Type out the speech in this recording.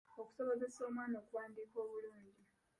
Okusobozesa omwana okuwandiika obulungi.